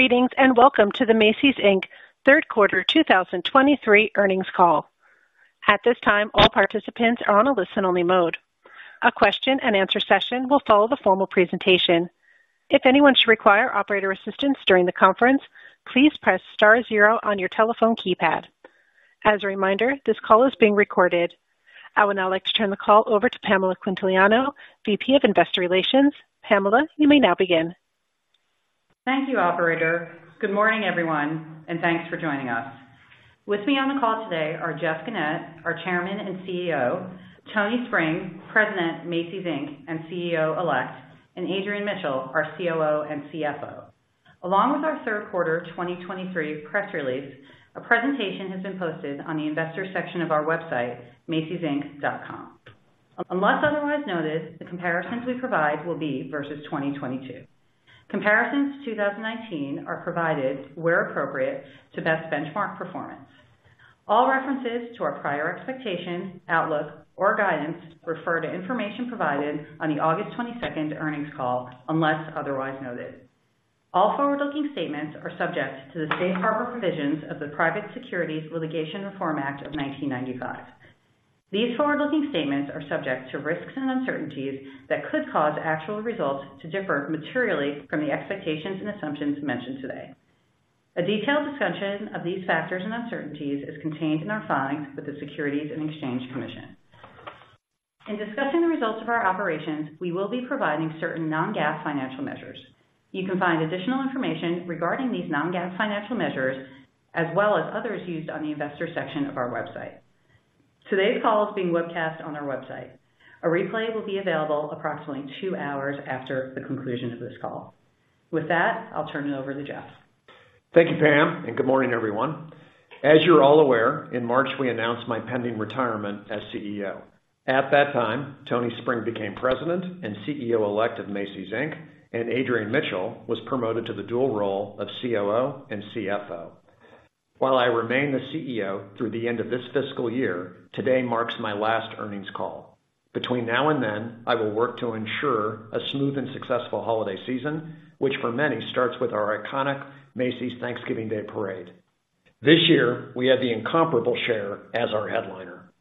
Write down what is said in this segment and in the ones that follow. Greetings, and welcome to the Macy's, Inc. third quarter 2023 earnings call. At this time, all participants are on a listen-only mode. A question and answer session will follow the formal presentation. If anyone should require operator assistance during the conference, please press star zero on your telephone keypad. As a reminder, this call is being recorded. I would now like to turn the call over to Pamela Quintiliano, VP of Investor Relations. Pamela, you may now begin. Thank you, operator. Good morning, everyone, and thanks for joining us. With me on the call today are Jeff Gennette, our Chairman and CEO, Tony Spring, our President, Macy's, Inc., and CEO-elect, and Adrian Mitchell, our COO and CFO. Along with our third quarter 2023 press release, a presentation has been posted on the investor section of our website, macysinc.com. Unless otherwise noted, the comparisons we provide will be versus 2022. Comparisons to 2019 are provided where appropriate to best benchmark performance. All references to our prior expectations, outlook, or guidance refer to information provided on the August 22nd earnings call, unless otherwise noted. All forward-looking statements are subject to the Safe Harbor Provisions of the Private Securities Litigation Reform Act of 1995. These forward-looking statements are subject to risks and uncertainties that could cause actual results to differ materially from the expectations and assumptions mentioned today. A detailed discussion of these factors and uncertainties is contained in our filings with the Securities and Exchange Commission. In discussing the results of our operations, we will be providing certain non-GAAP financial measures. You can find additional information regarding these non-GAAP financial measures, as well as others used on the investor section of our website. Today's call is being webcast on our website. A replay will be available approximately two hours after the conclusion of this call. With that, I'll turn it over to Jeff. Thank you, Pam, and good morning, everyone. As you're all aware, in March, we announced my pending retirement as CEO. At that time, Tony Spring became president and CEO-elect of Macy's, Inc., and Adrian Mitchell was promoted to the dual role of COO and CFO. While I remain the CEO through the end of this fiscal year, today marks my last earnings call. Between now and then, I will work to ensure a smooth and successful holiday season, which for many, starts with our iconic Macy's Thanksgiving Day Parade. This year, we have the incomparable Cher as our headliner.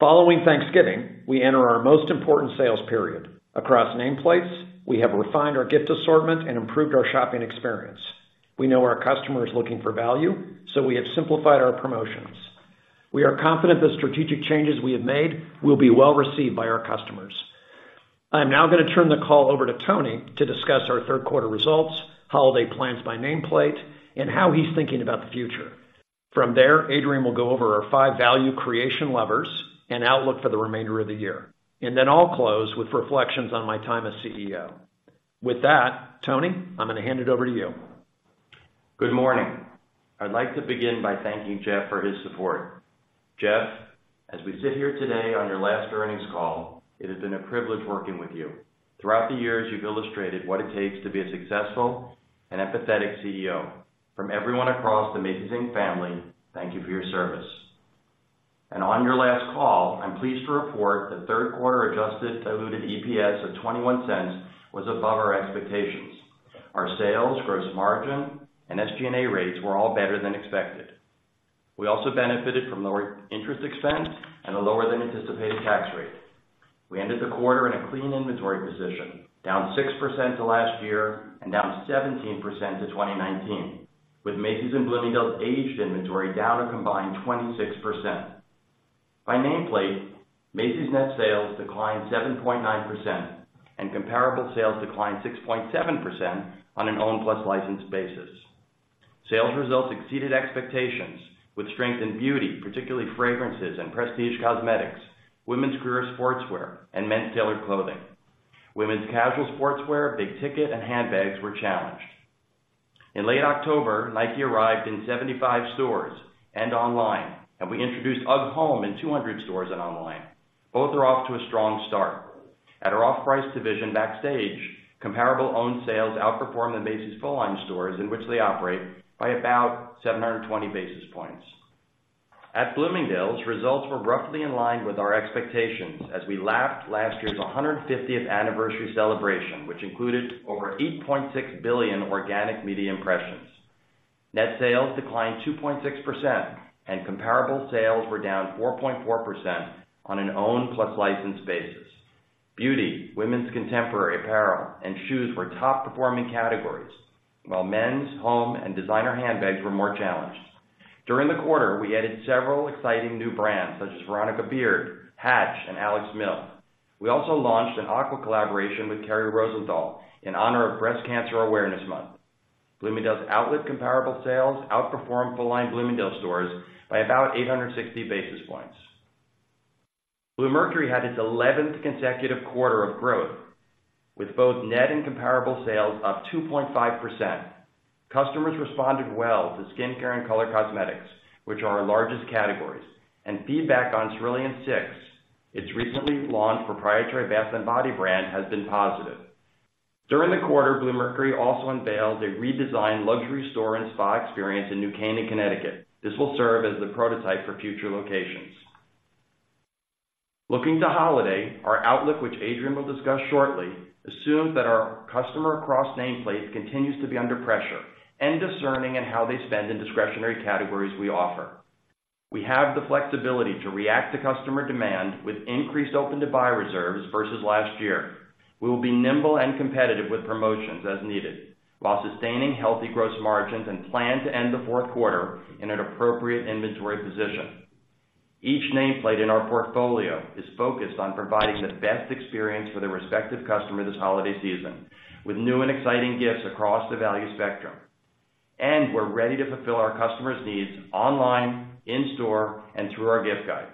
Following Thanksgiving, we enter our most important sales period. Across nameplates, we have refined our gift assortment and improved our shopping experience. We know our customers are looking for value, so we have simplified our promotions. We are confident the strategic changes we have made will be well received by our customers. I'm now going to turn the call over to Tony to discuss our third quarter results, holiday plans by nameplate, and how he's thinking about the future. From there, Adrian will go over our five value creation levers and outlook for the remainder of the year, and then I'll close with reflections on my time as CEO. With that, Tony, I'm going to hand it over to you. Good morning. I'd like to begin by thanking Jeff for his support. Jeff, as we sit here today on your last earnings call, it has been a privilege working with you. Throughout the years, you've illustrated what it takes to be a successful and empathetic CEO. From everyone across the Macy's, Inc. family, thank you for your service. On your last call, I'm pleased to report that third quarter adjusted diluted EPS of $0.21 was above our expectations. Our sales, gross margin, and SG&A rates were all better than expected. We also benefited from lower interest expense and a lower than anticipated tax rate. We ended the quarter in a clean inventory position, down 6% to last year and down 17% to 2019, with Macy's and Bloomingdale's aged inventory down a combined 26%. By nameplate, Macy's net sales declined 7.9%, and comparable sales declined 6.7% on an owned plus licensed basis. Sales results exceeded expectations with strength in beauty, particularly fragrances and prestige cosmetics, women's career sportswear, and men's tailored clothing. Women's casual sportswear, big ticket, and handbags were challenged. In late October, Nike arrived in 75 stores and online, and we introduced UGG Home in 200 stores and online. Both are off to a strong start. At our off-price division, Backstage, comparable owned sales outperformed the Macy's full-line stores in which they operate by about 720 basis points. At Bloomingdale's, results were roughly in line with our expectations as we lapped last year's 150th anniversary celebration, which included over 8.6 billion organic media impressions. Net sales declined 2.6%, and comparable sales were down 4.4% on an owned plus licensed basis. Beauty, women's contemporary apparel, and shoes were top-performing categories, while men's, home, and designer handbags were more challenged. During the quarter, we added several exciting new brands such as Veronica Beard, Hatch, and Alex Mill. We also launched an Aqua collaboration with Kerri Rosenthal in honor of Breast Cancer Awareness Month. Bloomingdale's outlet comparable sales outperformed full-line Bloomingdale stores by about 860 basis points. Bluemercury had its 11th consecutive quarter of growth, with both net and comparable sales up 2.5%. Customers responded well to skincare and color cosmetics, which are our largest categories, and feedback on Trillian 6, its recently launched proprietary bath and body brand, has been positive. During the quarter, Bluemercury also unveiled a redesigned luxury store and spa experience in New Canaan, Connecticut. This will serve as the prototype for future locations. Looking to holiday, our outlook, which Adrian will discuss shortly, assumes that our customer across nameplates continues to be under pressure and discerning in how they spend in discretionary categories we offer. We have the flexibility to react to customer demand with increased open-to-buy reserves versus last year. We will be nimble and competitive with promotions as needed, while sustaining healthy gross margins and plan to end the fourth quarter in an appropriate inventory position. Each nameplate in our portfolio is focused on providing the best experience for their respective customer this holiday season, with new and exciting gifts across the value spectrum. We're ready to fulfill our customers' needs online, in store, and through our gift guides.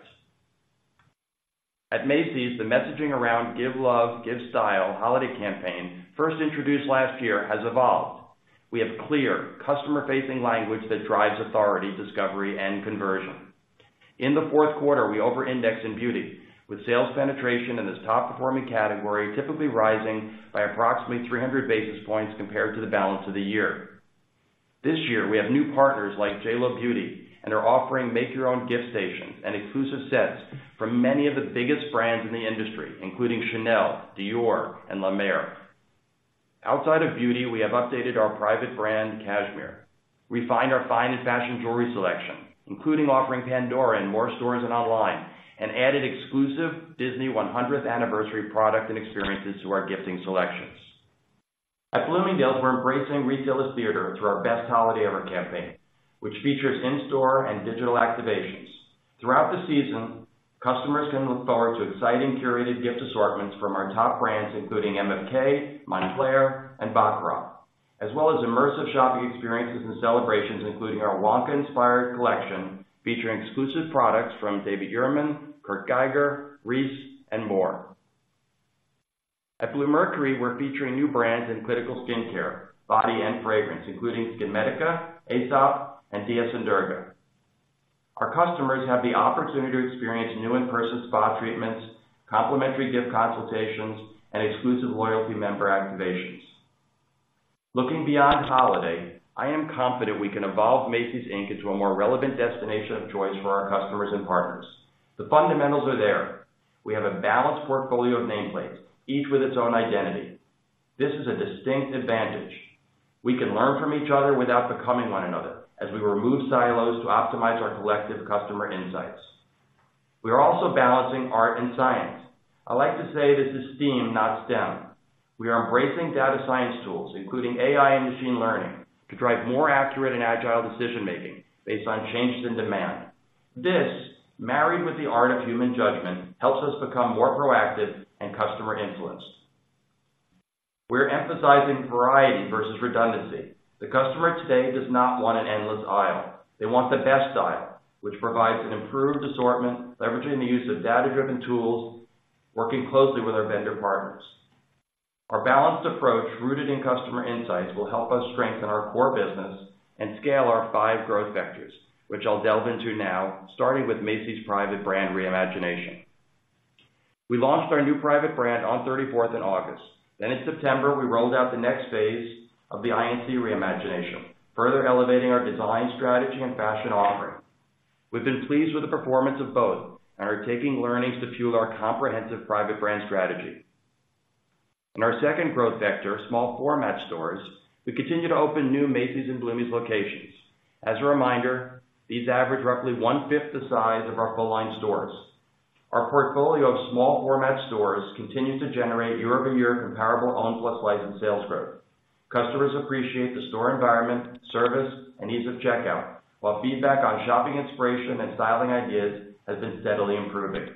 At Macy's, the messaging around Give Love, Give Style holiday campaign, first introduced last year, has evolved. We have clear customer-facing language that drives authority, discovery, and conversion. In the fourth quarter, we over-index in beauty, with sales penetration in this top-performing category, typically rising by approximately 300 basis points compared to the balance of the year. This year, we have new partners like J.Lo Beauty, and are offering make-your-own gift stations and exclusive sets from many of the biggest brands in the industry, including Chanel, Dior, and La Mer. Outside of beauty, we have updated our private brand cashmere, Aqua collaboration with Kerri Rosenthal. We find our fine and fashion jewelry selection, including offering Pandora in more stores and online, and added exclusive Disney 100th anniversary product and experiences to our gifting selections. At Bloomingdale's, we're embracing retailer theater through our Best Holiday Ever campaign, which features in-store and digital activations. Throughout the season, customers can look forward to exciting curated gift assortments from our top brands, including MFK, Moncler, and Baccarat, as well as immersive shopping experiences and celebrations, including our Wonka-inspired collection, featuring exclusive products from David Yurman, Kurt Geiger, Reiss and more. At Bluemercury, we're featuring new brands in clinical skincare, body, and fragrance, including SkinMedica, Aesop, and Dior. Our customers have the opportunity to experience new in-person spa treatments, complimentary gift consultations, and exclusive loyalty member activations. Looking beyond holiday, I am confident we can evolve Macy's, Inc. into a more relevant destination of choice for our customers and partners. The fundamentals are there. We have a balanced portfolio of nameplates, each with its own identity. This is a distinct advantage. We can learn from each other without becoming one another, as we remove silos to optimize our collective customer insights. We are also balancing art and science. I like to say this is STEAM, not STEM. We are embracing data science tools, including AI and machine learning, to drive more accurate and agile decision-making based on changes in demand. This, married with the art of human judgment, helps us become more proactive and customer-influenced. We're emphasizing variety versus redundancy. The customer today does not want an endless aisle. They want the best aisle, which provides an improved assortment, leveraging the use of data-driven tools, working closely with our vendor partners. Our balanced approach, rooted in customer insights, will help us strengthen our core business and scale our five growth vectors, which I'll delve into now, starting with Macy's private brand reimagination. We launched our new private brand On 34th in August. Then in September, we rolled out the next phase of the INC reimagination, further elevating our design strategy and fashion offering. We've been pleased with the performance of both and are taking learnings to fuel our comprehensive private brand strategy. In our second growth vector, small format stores, we continue to open new Macy's and Bloomingdale's locations. As a reminder, these average roughly one-fifth the size of our full-line stores. Our portfolio of small format stores continues to generate year-over-year comparable owned plus licensed sales growth. Customers appreciate the store environment, service, and ease of checkout, while feedback on shopping inspiration and styling ideas has been steadily improving.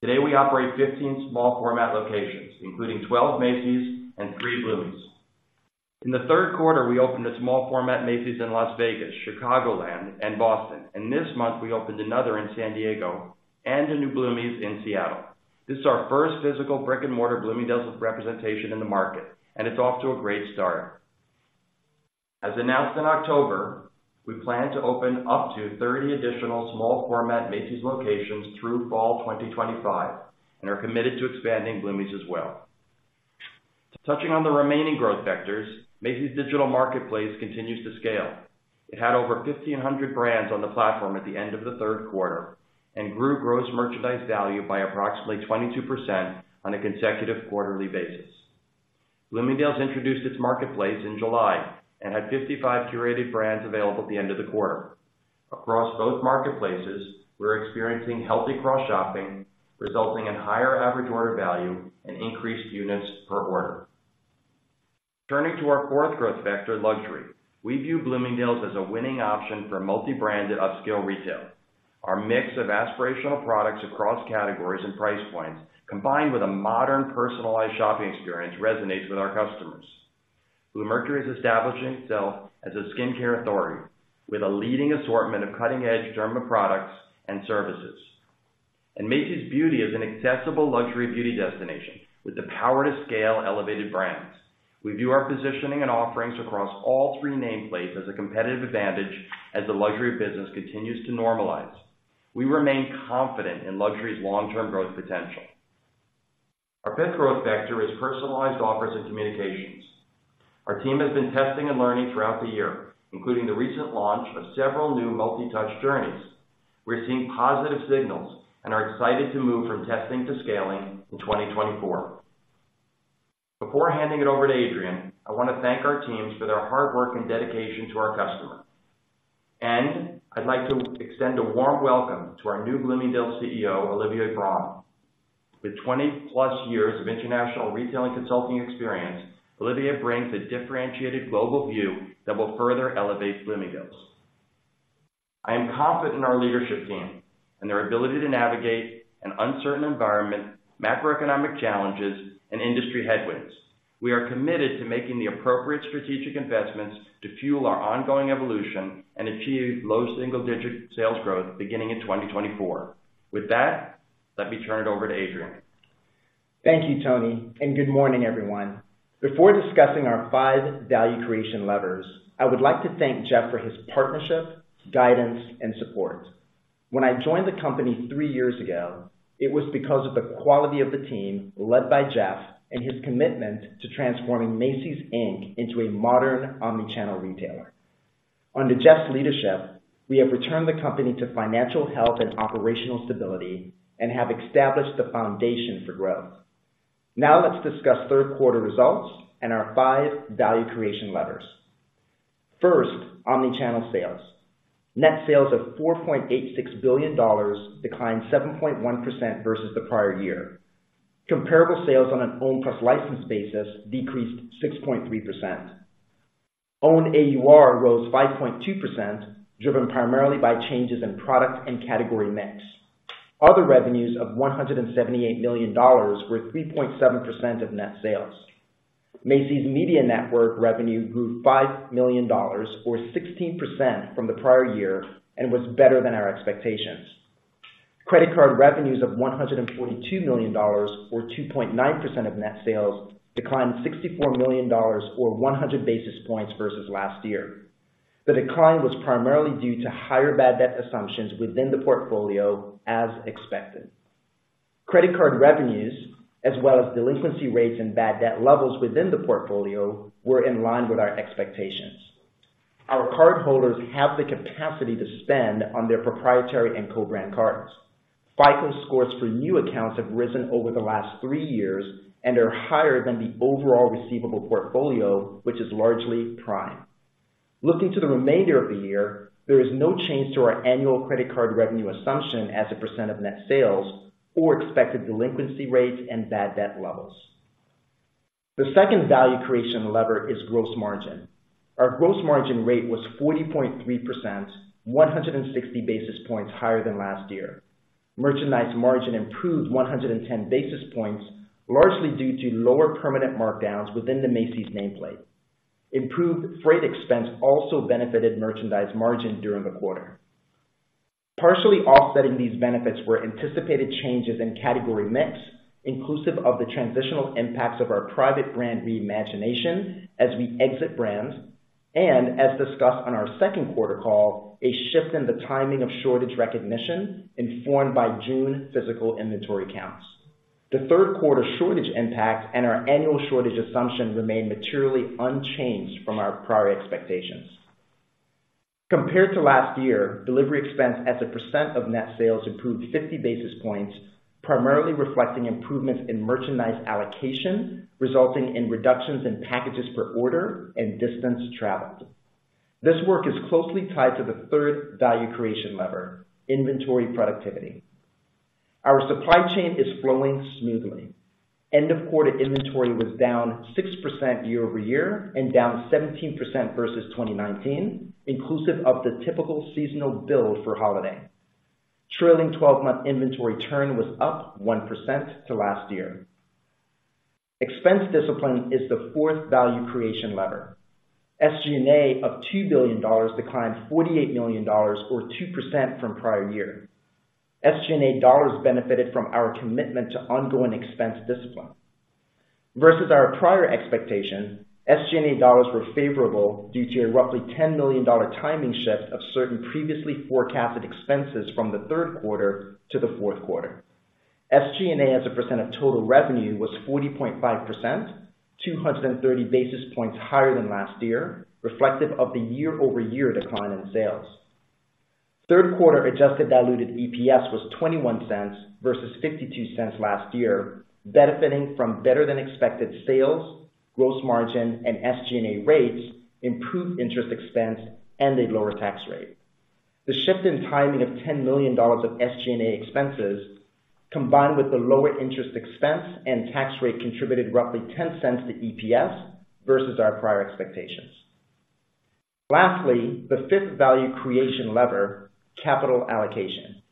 Today, we operate 15 small format locations, including 12 Macy's and three Bloomingdale's. In the third quarter, we opened a small format Macy's in Las Vegas, Chicagoland, and Boston, and this month, we opened another in San Diego and a new Bloomingdale's in Seattle. This is our first physical brick-and-mortar Bloomingdale's representation in the market, and it's off to a great start. As announced in October, we plan to open up to 30 additional small format Macy's locations through fall 2025 and are committed to expanding Bloomingdale's as well. Touching on the remaining growth vectors, Macy's digital marketplace continues to scale. It had over 1,500 brands on the platform at the end of the third quarter and grew gross merchandise value by approximately 22% on a consecutive quarterly basis. Bloomingdale's introduced its marketplace in July and had 55 curated brands available at the end of the quarter. Across both marketplaces, we're experiencing healthy cross-shopping, resulting in higher average order value and increased units per order. Turning to our fourth growth vector, luxury, we view Bloomingdale's as a winning option for multi-branded, upscale retail. Our mix of aspirational products across categories and price points, combined with a modern, personalized shopping experience, resonates with our customers. Bluemercury is establishing itself as a skincare authority with a leading assortment of cutting-edge derma products and services. And Macy's Beauty is an accessible luxury beauty destination with the power to scale elevated brands. We view our positioning and offerings across all three nameplates as a competitive advantage as the luxury business continues to normalize. We remain confident in luxury's long-term growth potential.... Our fifth growth factor is personalized offers and communications. Our team has been testing and learning throughout the year, including the recent launch of several new multi-touch journeys. We're seeing positive signals and are excited to move from testing to scaling in 2024. Before handing it over to Adrian, I want to thank our teams for their hard work and dedication to our customers. I'd like to extend a warm welcome to our new Bloomingdale's CEO, Olivier Bron. With 20+ years of international retail and consulting experience, Olivier brings a differentiated global view that will further elevate Bloomingdale's. I am confident in our leadership team and their ability to navigate an uncertain environment, macroeconomic challenges, and industry headwinds. We are committed to making the appropriate strategic investments to fuel our ongoing evolution and achieve low single-digit sales growth beginning in 2024. With that, let me turn it over to Adrian. Thank you, Tony, and good morning, everyone. Before discussing our five value creation levers, I would like to thank Jeff for his partnership, guidance, and support. When I joined the company three years ago, it was because of the quality of the team led by Jeff and his commitment to transforming Macy's, Inc. into a modern, omni-channel retailer. Under Jeff's leadership, we have returned the company to financial health and operational stability and have established the foundation for growth. Now, let's discuss third quarter results and our five value creation levers. First, omni-channel sales. Net sales of $4.86 billion declined 7.1% versus the prior year. Comparable sales on an owned-plus-licensed basis decreased 6.3%. Owned AUR rose 5.2%, driven primarily by changes in product and category mix. Other revenues of $178 million were 3.7% of net sales. Macy's Media Network revenue grew $5 million, or 16% from the prior year, and was better than our expectations. Credit card revenues of $142 million, or 2.9% of net sales, declined $64 million, or 100 basis points versus last year. The decline was primarily due to higher bad debt assumptions within the portfolio, as expected. Credit card revenues, as well as delinquency rates and bad debt levels within the portfolio, were in line with our expectations. Our cardholders have the capacity to spend on their proprietary and co-brand cards. FICO scores for new accounts have risen over the last three years and are higher than the overall receivable portfolio, which is largely prime. Looking to the remainder of the year, there is no change to our annual credit card revenue assumption as a percent of net sales or expected delinquency rates and bad debt levels. The second value creation lever is gross margin. Our gross margin rate was 40.3%, 160 basis points higher than last year. Merchandise margin improved 110 basis points, largely due to lower permanent markdowns within the Macy's nameplate. Improved freight expense also benefited merchandise margin during the quarter. Partially offsetting these benefits were anticipated changes in category mix, inclusive of the transitional impacts of our private brand reimagination as we exit brands, and, as discussed on our second quarter call, a shift in the timing of shortage recognition informed by June physical inventory counts. The third quarter shortage impact and our annual shortage assumption remain materially unchanged from our prior expectations. Compared to last year, delivery expense as a percent of net sales improved 50 basis points, primarily reflecting improvements in merchandise allocation, resulting in reductions in packages per order and distance traveled. This work is closely tied to the third value creation lever, inventory productivity. Our supply chain is flowing smoothly. End-of-quarter inventory was down 6% year-over-year and down 17% versus 2019, inclusive of the typical seasonal build for holiday. Trailing twelve-month inventory turn was up 1% to last year. Expense discipline is the fourth value creation lever. SG&A of $2 billion declined $48 million, or 2% from prior year. SG&A dollars benefited from our commitment to ongoing expense discipline. Versus our prior expectations, SG&A dollars were favorable due to a roughly $10 million timing shift of certain previously forecasted expenses from the third quarter to the fourth quarter. SG&A, as a percent of total revenue, was 40.5%, 230 basis points higher than last year, reflective of the year-over-year decline in sales. Third quarter adjusted diluted EPS was $0.21 versus $0.52 last year, benefiting from better-than-expected sales, gross margin and SG&A rates, improved interest expense, and a lower tax rate. The shift in timing of $10 million of SG&A expenses, combined with the lower interest expense and tax rate, contributed roughly $0.10 to EPS versus our prior expectations. Lastly, the fifth value creation lever, capital allocation.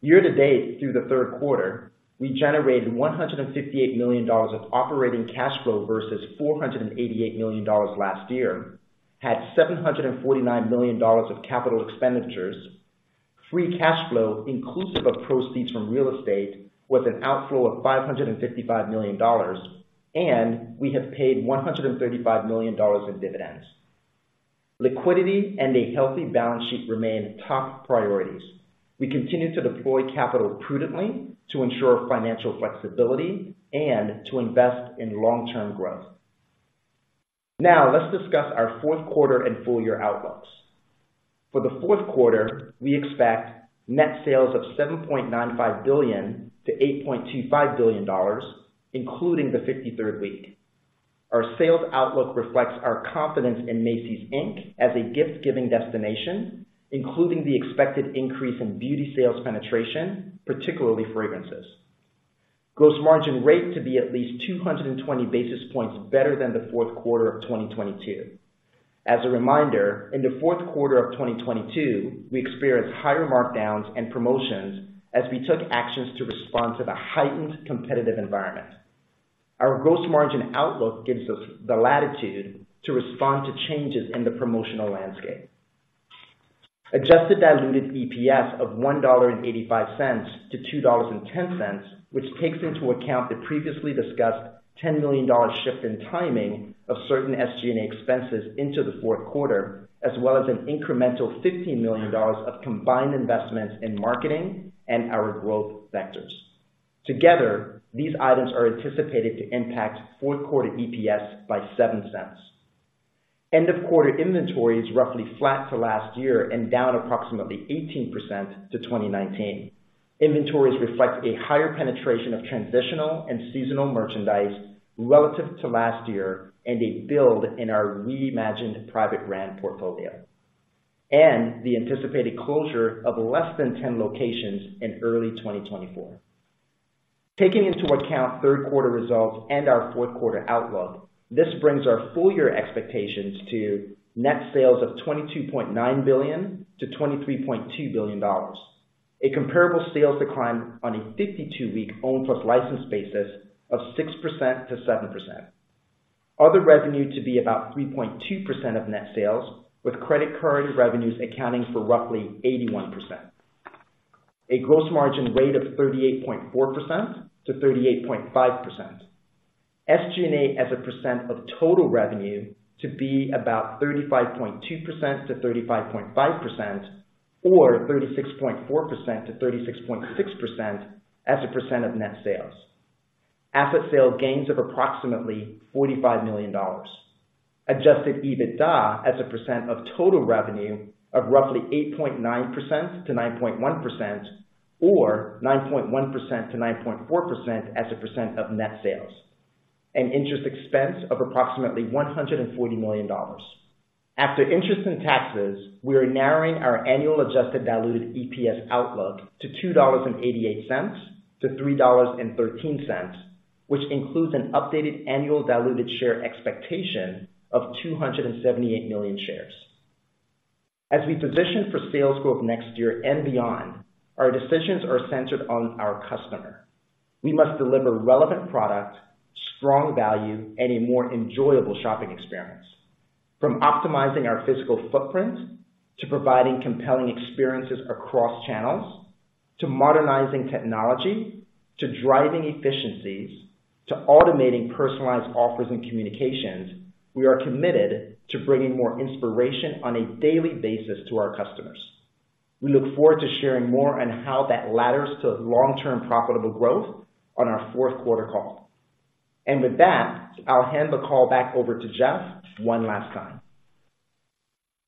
Year to date, through the third quarter, we generated $158 million of operating cash flow versus $488 million last year, had $749 million of capital expenditures. Free cash flow, inclusive of proceeds from real estate, was an outflow of $555 million, and we have paid $135 million in dividends. Liquidity and a healthy balance sheet remain top priorities. We continue to deploy capital prudently to ensure financial flexibility and to invest in long-term growth. Now, let's discuss our fourth quarter and full year outlooks. For the fourth quarter, we expect net sales of $7.95 billion-$8.25 billion, including the 53rd week. Our sales outlook reflects our confidence in Macy's, Inc. as a gift-giving destination, including the expected increase in beauty sales penetration, particularly fragrances. Gross margin rate to be at least 200 basis points better than the fourth quarter of 2022. As a reminder, in the fourth quarter of 2022, we experienced higher markdowns and promotions as we took actions to respond to the heightened competitive environment. Our gross margin outlook gives us the latitude to respond to changes in the promotional landscape. Adjusted diluted EPS of $1.85-$2.10, which takes into account the previously discussed $10 million shift in timing of certain SG&A expenses into the fourth quarter, as well as an incremental $15 million of combined investments in marketing and our growth vectors. Together, these items are anticipated to impact fourth quarter EPS by $0.07. End-of-quarter inventory is roughly flat to last year and down approximately 18% to 2019. Inventories reflect a higher penetration of transitional and seasonal merchandise relative to last year, and a build in our reimagined private brand portfolio. The anticipated closure of less than 10 locations in early 2024. Taking into account third quarter results and our fourth quarter outlook, this brings our full year expectations to net sales of $22.9 billion-$23.2 billion. A comparable sales decline on a 52-week owned plus licensed basis of 6%-7%. Other revenue to be about 3.2% of net sales, with credit card revenues accounting for roughly 81%. A gross margin rate of 38.4%-38.5%. SG&A, as a percent of total revenue, to be about 35.2%-35.5%, or 36.4%-36.6% as a percent of net sales. Asset sale gains of approximately $45 million. Adjusted EBITDA, as a percent of total revenue, of roughly 8.9%-9.1%, or 9.1%-9.4% as a percent of net sales. And interest expense of approximately $140 million. After interest and taxes, we are narrowing our annual adjusted diluted EPS outlook to $2.88-$3.13, which includes an updated annual diluted share expectation of 278 million shares. As we position for sales growth next year and beyond, our decisions are centered on our customer. We must deliver relevant product, strong value, and a more enjoyable shopping experience. From optimizing our physical footprint, to providing compelling experiences across channels, to modernizing technology, to driving efficiencies, to automating personalized offers and communications, we are committed to bringing more inspiration on a daily basis to our customers. We look forward to sharing more on how that ladders to long-term profitable growth on our fourth quarter call. With that, I'll hand the call back over to Jeff one last time.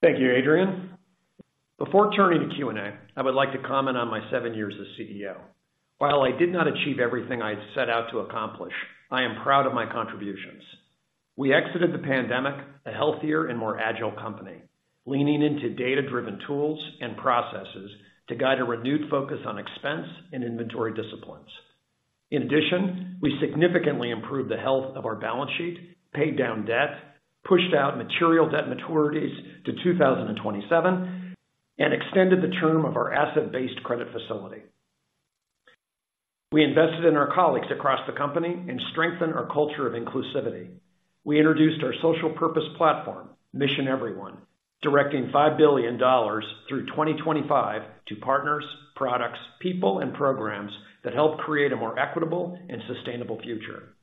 Thank you, Adrian. Before turning to Q&A, I would like to comment on my seven years as CEO. While I did not achieve everything I had set out to accomplish, I am proud of my contributions. We exited the pandemic a healthier and more agile company, leaning into data-driven tools and processes to guide a renewed focus on expense and inventory disciplines. In addition, we significantly improved the health of our balance sheet, paid down debt, pushed out material debt maturities to 2027, and extended the term of our asset-based credit facility. We invested in our colleagues across the company and strengthened our culture of inclusivity. We introduced our social purpose platform, Mission Everyone, directing $5 billion through 2025 to partners, products, people, and programs that help create a more equitable and sustainable future.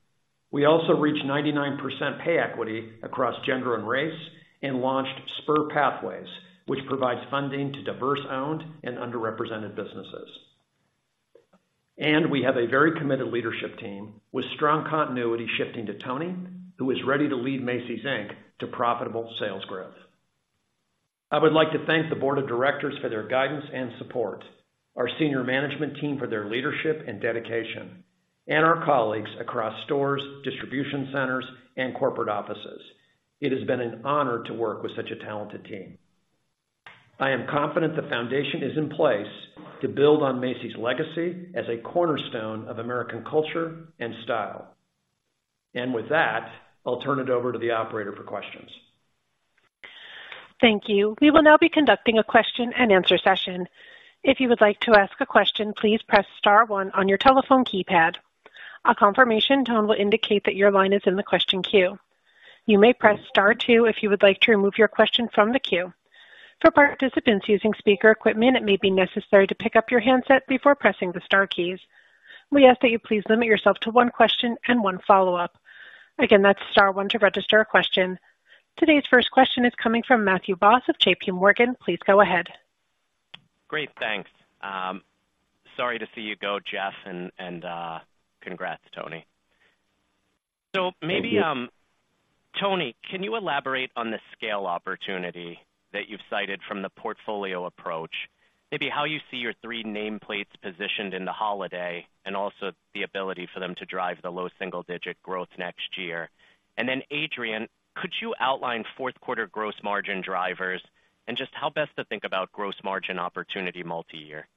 We also reached 99% pay equity across gender and race and launched S.P.U.R. Pathways, which provides funding to diverse-owned and underrepresented businesses. We have a very committed leadership team with strong continuity, shifting to Tony, who is ready to lead Macy's, Inc. to profitable sales growth. I would like to thank the board of directors for their guidance and support, our senior management team for their leadership and dedication, and our colleagues across stores, distribution centers, and corporate offices. It has been an honor to work with such a talented team. I am confident the foundation is in place to build on Macy's legacy as a cornerstone of American culture and style. With that, I'll turn it over to the operator for questions. Thank you. We will now be conducting a question and answer session. If you would like to ask a question, please press star one on your telephone keypad. A confirmation tone will indicate that your line is in the question queue. You may press star two if you would like to remove your question from the queue. ...For participants using speaker equipment, it may be necessary to pick up your handset before pressing the star keys. We ask that you please limit yourself to one question and one follow-up. Again, that's star one to register a question. Today's first question is coming from Matthew Boss of JPMorgan. Please go ahead. Great. Thanks. Sorry to see you go, Jeff, and congrats, Tony. Thank you. So maybe, Tony, can you elaborate on the scale opportunity that you've cited from the portfolio approach? Maybe how you see your three nameplates positioned in the holiday, and also the ability for them to drive the low single digit growth next year. And then, Adrian, could you outline fourth quarter gross margin drivers and just how best to think about gross margin opportunity multi-year?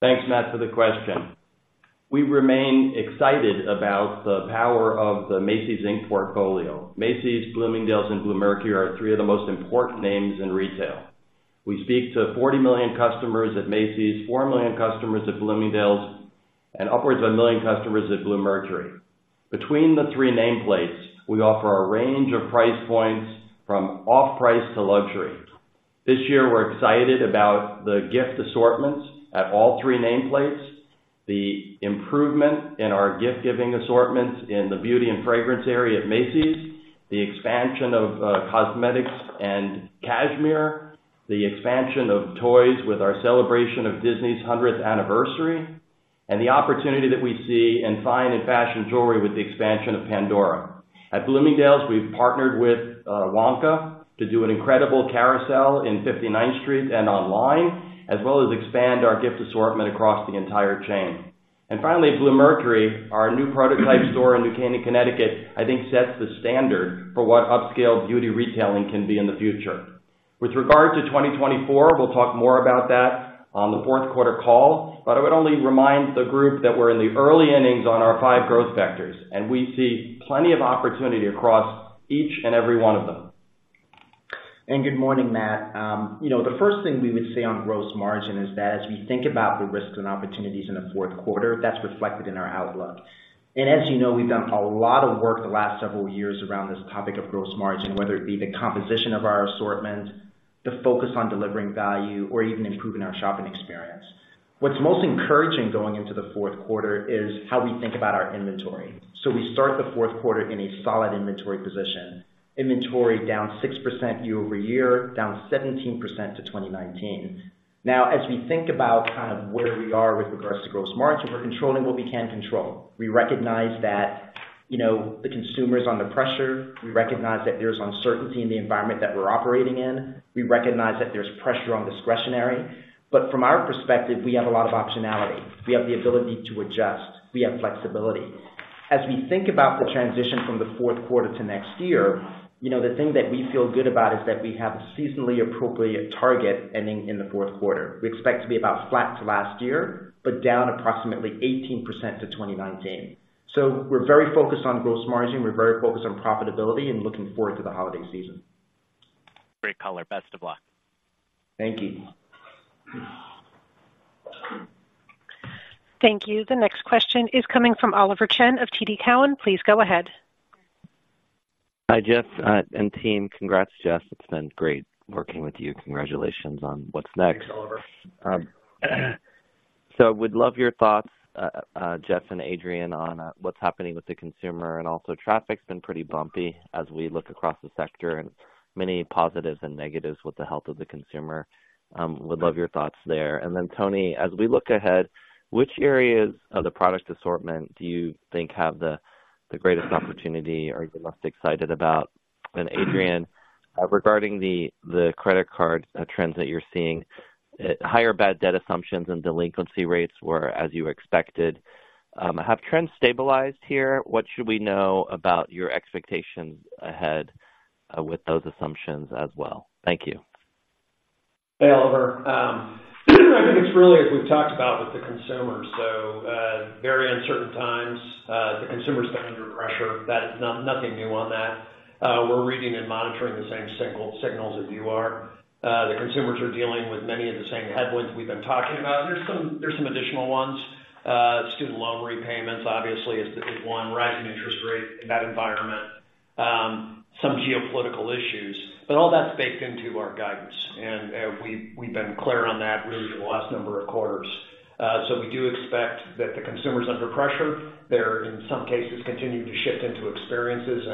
Thanks, Matt, for the question. We remain excited about the power of the Macy's, Inc. portfolio. Macy's, Bloomingdale's, and Bluemercury are three of the most important names in retail. We speak to 40 million customers at Macy's, 4 million customers at Bloomingdale's, and upwards of 1 million customers at Bluemercury. Between the three nameplates, we offer a range of price points from off-price to luxury. This year, we're excited about the gift assortments at all three nameplates, the improvement in our gift-giving assortments in the beauty and fragrance area at Macy's, the expansion of cosmetics and cashmere, the expansion of toys with our celebration of Disney's 100th anniversary, and the opportunity that we see in fine and fashion jewelry with the expansion of Pandora. At Bloomingdale's, we've partnered with Wonka to do an incredible carousel in 59th Street and online, as well as expand our gift assortment across the entire chain. And finally, at Bluemercury, our new prototype store in New Canaan, Connecticut, I think, sets the standard for what upscale beauty retailing can be in the future. With regard to 2024, we'll talk more about that on the fourth quarter call, but I would only remind the group that we're in the early innings on our five growth vectors, and we see plenty of opportunity across each and every one of them. Good morning, Matt. You know, the first thing we would say on gross margin is that as we think about the risks and opportunities in the fourth quarter, that's reflected in our outlook. As you know, we've done a lot of work the last several years around this topic of gross margin, whether it be the composition of our assortment, the focus on delivering value, or even improving our shopping experience. What's most encouraging going into the fourth quarter is how we think about our inventory. We start the fourth quarter in a solid inventory position. Inventory down 6% year-over-year, down 17% to 2019. Now, as we think about kind of where we are with regards to gross margin, we're controlling what we can control. We recognize that, you know, the consumer's under pressure. We recognize that there's uncertainty in the environment that we're operating in. We recognize that there's pressure on discretionary. But from our perspective, we have a lot of optionality. We have the ability to adjust. We have flexibility. As we think about the transition from the fourth quarter to next year, you know, the thing that we feel good about is that we have a seasonally appropriate target ending in the fourth quarter. We expect to be about flat to last year, but down approximately 18% to 2019. So we're very focused on gross margin, we're very focused on profitability and looking forward to the holiday season. Great color. Best of luck. Thank you. Thank you. The next question is coming from Oliver Chen of TD Cowen. Please go ahead. Hi, Jeff, and team. Congrats, Jeff. It's been great working with you. Congratulations on what's next. Thanks, Oliver. So would love your thoughts, Jeff and Adrian, on what's happening with the consumer, and also traffic's been pretty bumpy as we look across the sector, and many positives and negatives with the health of the consumer. Would love your thoughts there. And then, Tony, as we look ahead, which areas of the product assortment do you think have the greatest opportunity, are you most excited about? And Adrian, regarding the credit card trends that you're seeing, higher bad debt assumptions and delinquency rates were as you expected. Have trends stabilized here? What should we know about your expectations ahead, with those assumptions as well? Thank you. Hey, Oliver. I think it's really, as we've talked about with the consumer, so, very uncertain times. The consumer's been under pressure. That is nothing new on that. We're reading and monitoring the same signals as you are. The consumers are dealing with many of the same headwinds we've been talking about. There's some additional ones. Student loan repayments, obviously, is one, rising interest rates in that environment, some geopolitical issues, but all that's baked into our guidance, and, we've been clear on that really for the last number of quarters. So we do expect that the consumer's under pressure. They're, in some cases, continuing to shift into experiences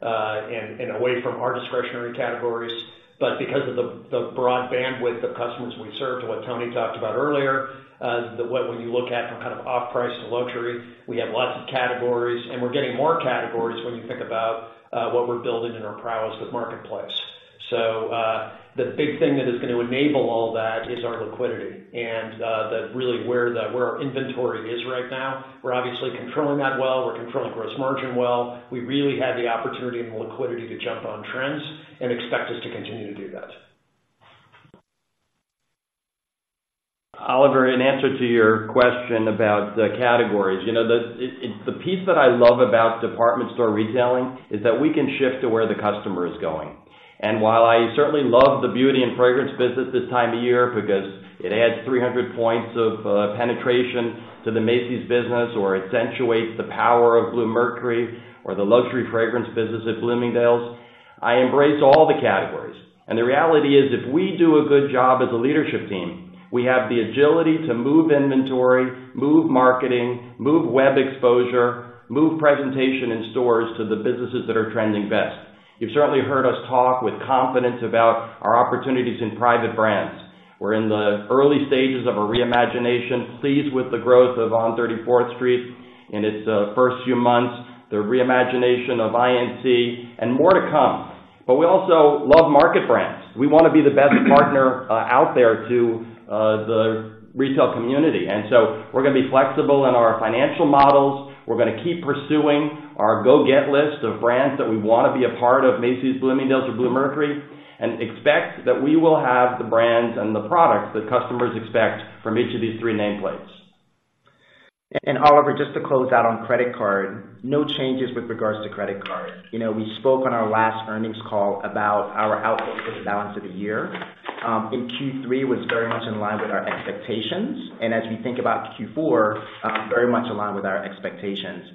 and away from our discretionary categories. But because of the broad bandwidth of customers we serve, to what Tony talked about earlier, the what when you look at from kind of off-price to luxury, we have lots of categories, and we're getting more categories when you think about what we're building in our prowess with Marketplace. So, the big thing that is gonna enable all that is our liquidity and the really where the where our inventory is right now. We're obviously controlling that well. We're controlling gross margin well. We really have the opportunity and the liquidity to jump on trends and expect us to continue to do that. Oliver, in answer to your question about the categories, you know, it's the piece that I love about department store retailing is that we can shift to where the customer is going. And while I certainly love the beauty and fragrance business this time of year because it adds 300 points of penetration to the Macy's business or accentuates the power of Bluemercury or the luxury fragrance business at Bloomingdale's-... I embrace all the categories, and the reality is, if we do a good job as a leadership team, we have the agility to move inventory, move marketing, move web exposure, move presentation in stores to the businesses that are trending best. You've certainly heard us talk with confidence about our opportunities in private brands. We're in the early stages of a reimagination, pleased with the growth of On 34th in its first few months, the reimagination of INC, and more to come. But we also love market brands. We wanna be the best partner out there to the retail community, and so we're gonna be flexible in our financial models. We're gonna keep pursuing our go-get list of brands that we wanna be a part of Macy's, Bloomingdale's, or Bluemercury, and expect that we will have the brands and the products that customers expect from each of these three nameplates. However, just to close out on credit card, no changes with regards to credit card. You know, we spoke on our last earnings call about our outlook for the balance of the year. In Q3 was very much in line with our expectations, and as we think about Q4, very much in line with our expectations.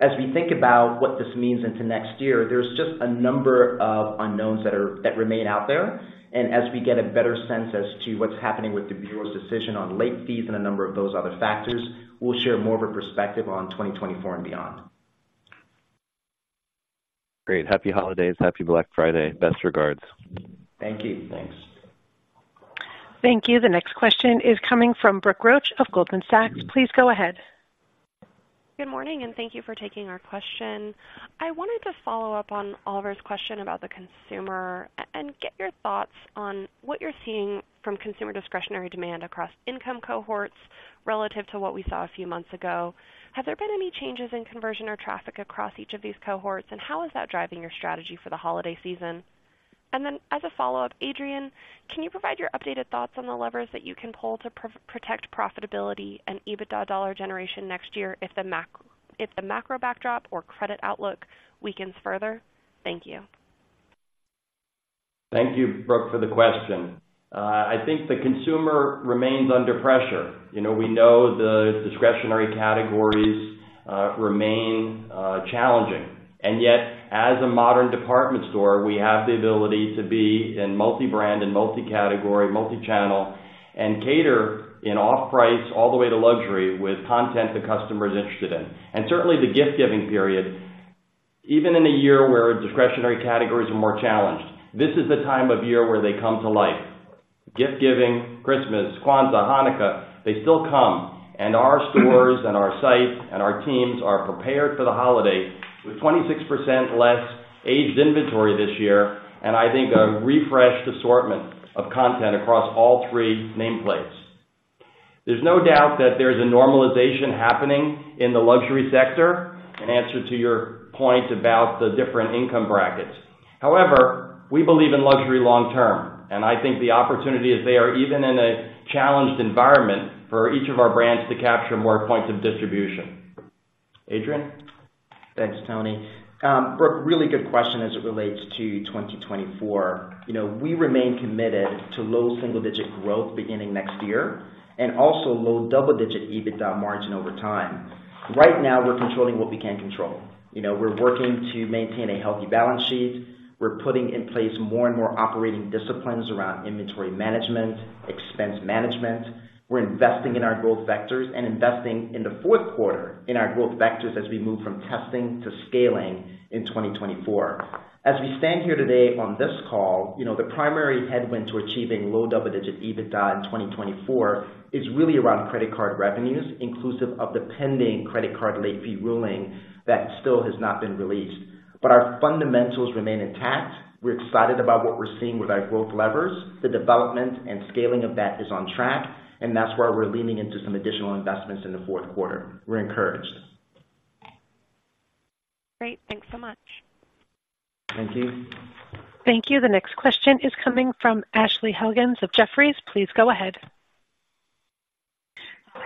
As we think about what this means into next year, there's just a number of unknowns that remain out there. As we get a better sense as to what's happening with the bureau's decision on late fees and a number of those other factors, we'll share more of a perspective on 2024 and beyond. Great. Happy holidays. Happy Black Friday. Best regards. Thank you. Thanks. Thank you. The next question is coming from Brooke Roach of Goldman Sachs. Please go ahead. Good morning, and thank you for taking our question. I wanted to follow up on Oliver's question about the consumer and get your thoughts on what you're seeing from consumer discretionary demand across income cohorts relative to what we saw a few months ago. Have there been any changes in conversion or traffic across each of these cohorts, and how is that driving your strategy for the holiday season? And then, as a follow-up, Adrian, can you provide your updated thoughts on the levers that you can pull to protect profitability and EBITDA dollar generation next year if the macro backdrop or credit outlook weakens further? Thank you. Thank you, Brooke, for the question. I think the consumer remains under pressure. You know, we know the discretionary categories remain challenging. And yet, as a modern department store, we have the ability to be in multi-brand and multi-category, multi-channel, and cater in off-price all the way to luxury with content the customer is interested in. And certainly, the gift-giving period, even in a year where discretionary categories are more challenged, this is the time of year where they come to life. Gift-giving, Christmas, Kwanzaa, Hanukkah, they still come, and our stores and our sites and our teams are prepared for the holiday with 26% less aged inventory this year, and I think a refreshed assortment of content across all three nameplates. There's no doubt that there's a normalization happening in the luxury sector, in answer to your point about the different income brackets. However, we believe in luxury long term, and I think the opportunity is there, even in a challenged environment, for each of our brands to capture more points of distribution. Adrian? Thanks, Tony. Brooke, really good question as it relates to 2024. You know, we remain committed to low single-digit growth beginning next year, and also low double-digit EBITDA margin over time. Right now, we're controlling what we can control. You know, we're working to maintain a healthy balance sheet. We're putting in place more and more operating disciplines around inventory management, expense management. We're investing in our growth vectors and investing in the fourth quarter in our growth vectors as we move from testing to scaling in 2024. As we stand here today on this call, you know, the primary headwind to achieving low double-digit EBITDA in 2024 is really around credit card revenues, inclusive of the pending credit card late fee ruling that still has not been released. But our fundamentals remain intact. We're excited about what we're seeing with our growth levers. The development and scaling of that is on track, and that's why we're leaning into some additional investments in the fourth quarter. We're encouraged. Great. Thanks so much. Thank you. Thank you. The next question is coming from Ashley Helgans of Jefferies. Please go ahead.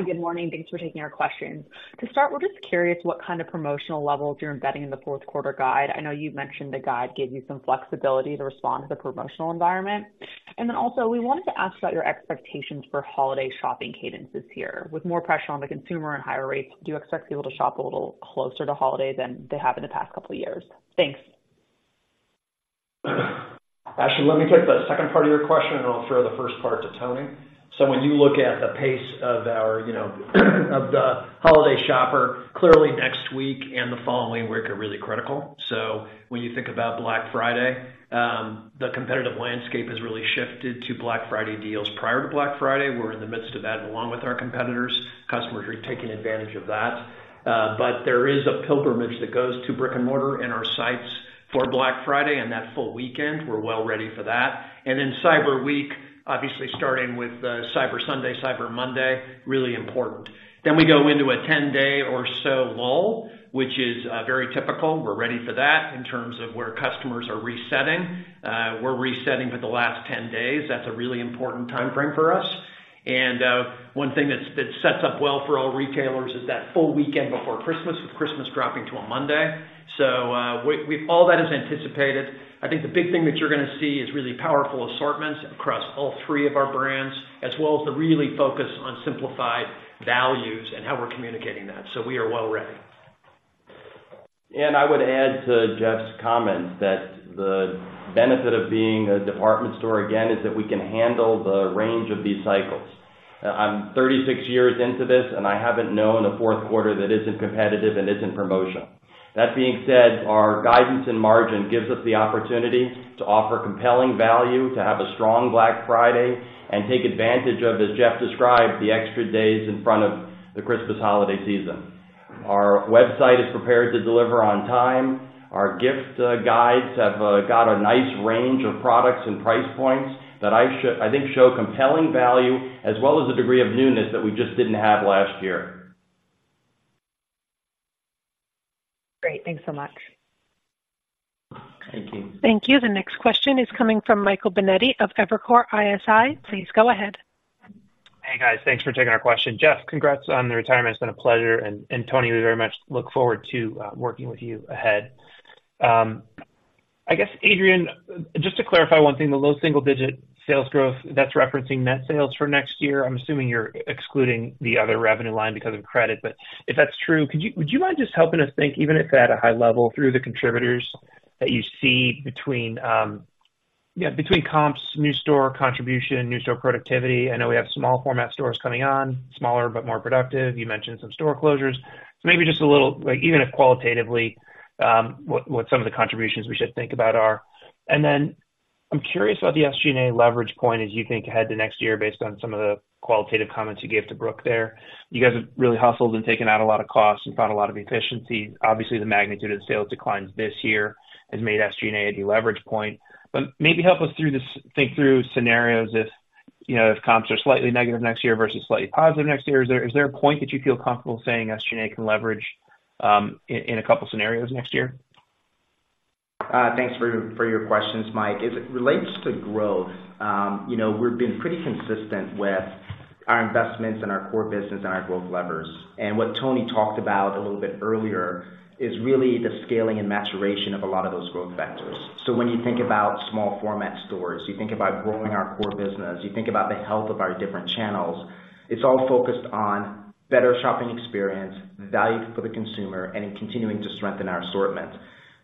Good morning. Thanks for taking our question. To start, we're just curious what kind of promotional levels you're embedding in the fourth quarter guide. I know you've mentioned the guide gave you some flexibility to respond to the promotional environment. And then also, we wanted to ask about your expectations for holiday shopping cadences this year. With more pressure on the consumer and higher rates, do you expect people to shop a little closer to holiday than they have in the past couple of years? Thanks. Ashley, let me take the second part of your question, and I'll throw the first part to Tony. So when you look at the pace of our, you know, of the holiday shopper, clearly next week and the following week are really critical. So when you think about Black Friday, the competitive landscape has really shifted to Black Friday deals prior to Black Friday. We're in the midst of that, along with our competitors. Customers are taking advantage of that. But there is a pilgrimage that goes to brick-and-mortar and our sites for Black Friday and that full weekend. We're well ready for that. And then Cyber Week, obviously, starting with Cyber Sunday, Cyber Monday, really important. Then we go into a 10-day or so lull, which is very typical. We're ready for that in terms of where customers are resetting. We're resetting for the last 10 days. That's a really important timeframe for us. One thing that sets up well for all retailers is that full weekend before Christmas, with Christmas dropping to a Monday. So, all that is anticipated. I think the big thing that you're gonna see is really powerful assortments across all three of our brands, as well as the real focus on simplified values and how we're communicating that, so we are well ready. I would add to Jeff's comments that the benefit of being a department store, again, is that we can handle the range of these cycles. I'm 36 years into this, and I haven't known a fourth quarter that isn't competitive and isn't promotional. That being said, our guidance and margin gives us the opportunity to offer compelling value, to have a strong Black Friday, and take advantage of, as Jeff described, the extra days in front of the Christmas holiday season. Our website is prepared to deliver on time. Our gift guides have got a nice range of products and price points that I think show compelling value, as well as a degree of newness that we just didn't have last year. Great. Thanks so much. Thank you. Thank you. The next question is coming from Michael Binetti of Evercore ISI. Please go ahead. Hey, guys. Thanks for taking our question. Jeff, congrats on the retirement. It's been a pleasure. And Tony, we very much look forward to working with you ahead. I guess, Adrian, just to clarify one thing, the low single digit sales growth, that's referencing net sales for next year. I'm assuming you're excluding the other revenue line because of credit, but if that's true, could you, would you mind just helping us think, even if at a high level, through the contributors that you see between comps, new store contribution, new store productivity? I know we have small format stores coming on, smaller but more productive. You mentioned some store closures. So maybe just a little, like, even if qualitatively, what some of the contributions we should think about are. And then I'm curious about the SG&A leverage point as you think ahead to next year, based on some of the qualitative comments you gave to Brooke there. You guys have really hustled and taken out a lot of costs and found a lot of efficiencies. Obviously, the magnitude of sales declines this year has made SG&A a deleverage point. But maybe help us through this, think through scenarios if, you know, if comps are slightly negative next year versus slightly positive next year. Is there, is there a point that you feel comfortable saying SG&A can leverage, in, in a couple scenarios next year? Thanks for your questions, Mike. As it relates to growth, you know, we've been pretty consistent with our investments in our core business and our growth levers. What Tony talked about a little bit earlier is really the scaling and maturation of a lot of those growth vectors. So when you think about small format stores, you think about growing our core business, you think about the health of our different channels, it's all focused on better shopping experience, value for the consumer, and in continuing to strengthen our assortment.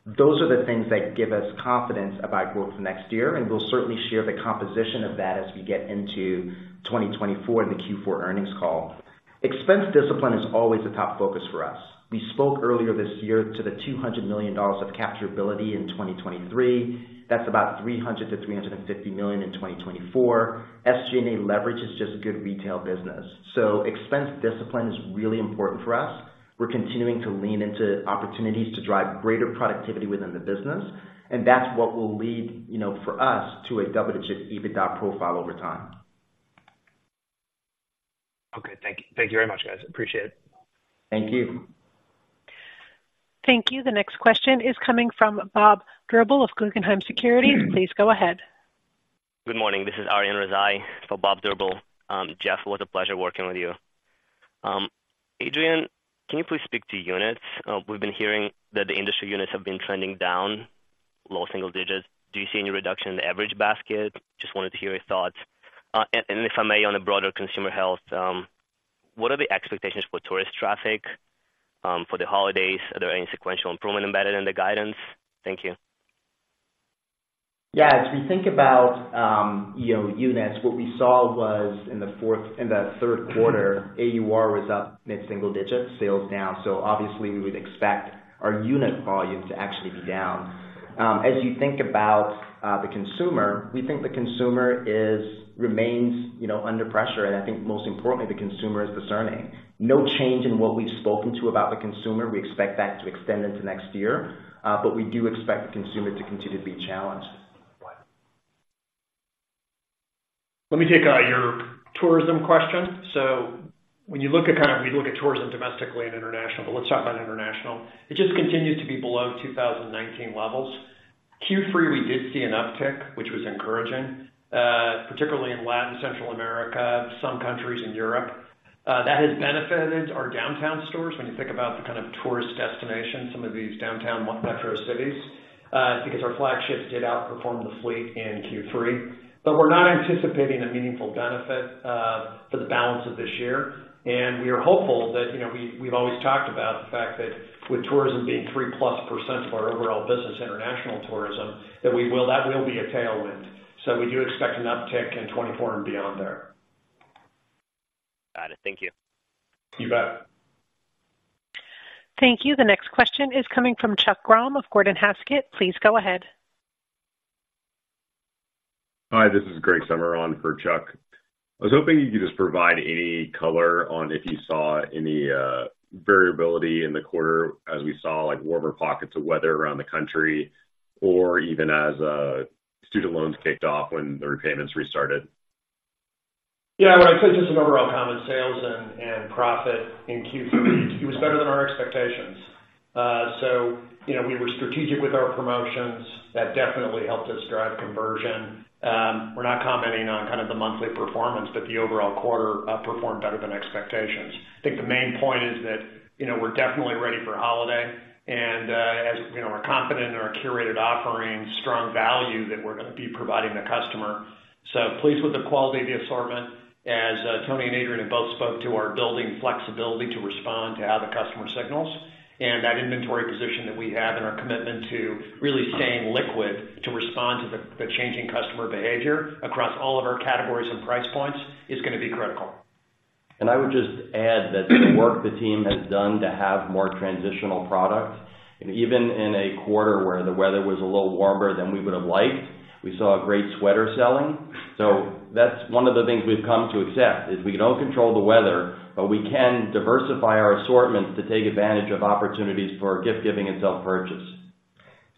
Those are the things that give us confidence about growth next year, and we'll certainly share the composition of that as we get into 2024 in the Q4 earnings call. Expense discipline is always a top focus for us. We spoke earlier this year to the $200 million of capturability in 2023. That's about $300 million-$350 million in 2024. SG&A leverage is just good retail business. So expense discipline is really important for us. We're continuing to lean into opportunities to drive greater productivity within the business, and that's what will lead, you know, for us, to a double-digit EBITDA profile over time. Okay, thank you. Thank you very much, guys. Appreciate it. Thank you. Thank you. The next question is coming from Bob Drbul of Guggenheim Securities. Please go ahead. Good morning. This is Arian Razai for Bob Drbul. Jeff, it was a pleasure working with you. Adrian, can you please speak to units? We've been hearing that the industry units have been trending down, low single digits. Do you see any reduction in the average basket? Just wanted to hear your thoughts. And, and if I may, on a broader consumer health, what are the expectations for tourist traffic, for the holidays? Are there any sequential improvement embedded in the guidance? Thank you. Yeah, as we think about, you know, units, what we saw was in the third quarter, AUR was up mid-single digit, sales down. So obviously, we would expect our unit volume to actually be down. As you think about the consumer, we think the consumer is... remains, you know, under pressure, and I think most importantly, the consumer is discerning. No change in what we've spoken to about the consumer. We expect that to extend into next year, but we do expect the consumer to continue to be challenged. Let me take your tourism question. So when you look at, kind of, we look at tourism domestically and international, but let's talk about international. It just continues to be below 2019 levels. Q3, we did see an uptick, which was encouraging, particularly in Latin America, Central America, some countries in Europe. That has benefited our downtown stores when you think about the kind of tourist destinations, some of these downtown metro cities, because our flagships did outperform the fleet in Q3. But we're not anticipating a meaningful benefit for the balance of this year, and we are hopeful that, you know, we, we've always talked about the fact that with tourism being 3%+ of our overall business, international tourism, that we will, that will be a tailwind. So we do expect an uptick in 2024 and beyond there. Got it. Thank you. You bet. Thank you. The next question is coming from Chuck Grom of Gordon Haskett. Please go ahead. Hi, this is Greg Sommer on for Chuck. I was hoping you could just provide any color on if you saw any variability in the quarter as we saw, like, warmer pockets of weather around the country or even as student loans kicked off when the repayments restarted. Yeah, when I said just an overall comment, sales and profit in Q3 it was better than our expectations. So, you know, we were strategic with our promotions. That definitely helped us drive conversion. We're not commenting on kind of the monthly performance, but the overall quarter performed better than expectations. I think the main point is that, you know, we're definitely ready for holiday, and... you know, we're confident in our curated offering, strong value that we're gonna be providing the customer. So pleased with the quality of the assortment. As Tony and Adrian have both spoke to, our building flexibility to respond to how the customer signals and that inventory position that we have and our commitment to really staying liquid, to respond to the changing customer behavior across all of our categories and price points is gonna be critical. I would just add that the work the team has done to have more transitional product, and even in a quarter where the weather was a little warmer than we would have liked, we saw a great sweater selling. So that's one of the things we've come to accept: we don't control the weather, but we can diversify our assortment to take advantage of opportunities for gift giving and self-purchase.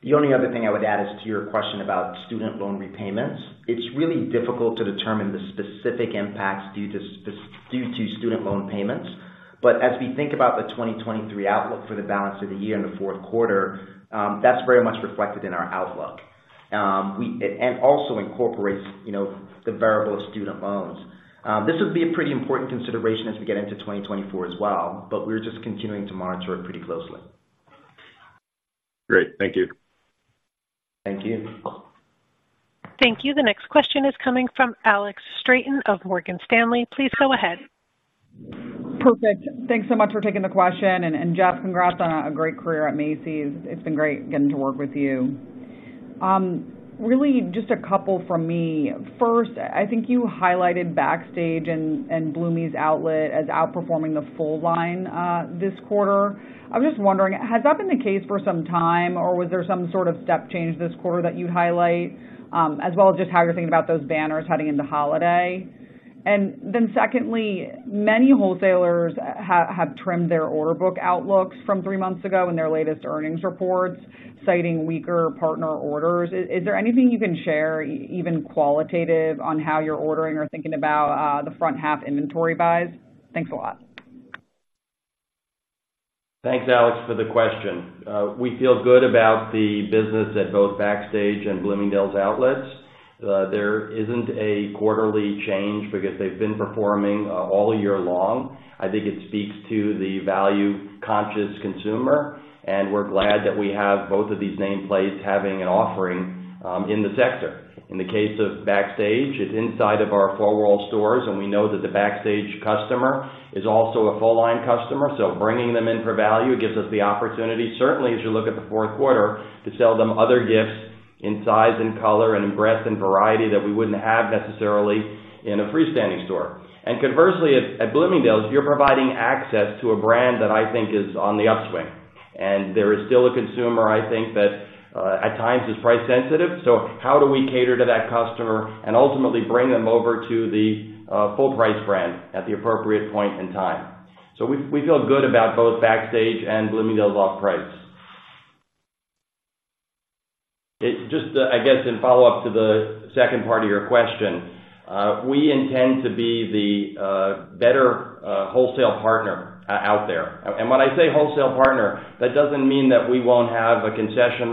The only other thing I would add is to your question about student loan repayments. It's really difficult to determine the specific impacts due to student loan payments. But as we think about the 2023 outlook for the balance of the year and the fourth quarter, that's very much reflected in our outlook. And also incorporates, you know, the variable of student loans. This would be a pretty important consideration as we get into 2024 as well, but we're just continuing to monitor it pretty closely. Great. Thank you. Thank you. Thank you. The next question is coming from Alex Straton of Morgan Stanley. Please go ahead. Perfect. Thanks so much for taking the question, and Jeff, congrats on a great career at Macy's. It's been great getting to work with you. Really just a couple from me. First, I think you highlighted Backstage and Bloomie's Outlet as outperforming the full line this quarter. I'm just wondering, has that been the case for some time, or was there some sort of step change this quarter that you'd highlight? As well as just how you're thinking about those banners heading into holiday. And then secondly, many wholesalers have trimmed their order book outlooks from three months ago in their latest earnings reports, citing weaker partner orders. Is there anything you can share, even qualitative, on how you're ordering or thinking about the front half inventory buys? Thanks a lot. Thanks, Alex, for the question. We feel good about the business at both Backstage and Bloomingdale's Outlets. There isn't a quarterly change because they've been performing all year long. I think it speaks to the value-conscious consumer, and we're glad that we have both of these nameplates having an offering in the sector. In the case of Backstage, it's inside of our four-wall stores, and we know that the Backstage customer is also a full-line customer. So bringing them in for value gives us the opportunity, certainly as you look at the fourth quarter, to sell them other gifts in size and color and in breadth and variety that we wouldn't have necessarily in a freestanding store. And conversely, at Bloomingdale's, you're providing access to a brand that I think is on the upswing, and there is still a consumer, I think, that at times is price sensitive. So how do we cater to that customer and ultimately bring them over to the full price brand at the appropriate point in time? So we feel good about both Backstage and Bloomingdale's Off Price. Just, I guess in follow-up to the second part of your question, we intend to be the better wholesale partner out there. And when I say wholesale partner, that doesn't mean that we won't have a concession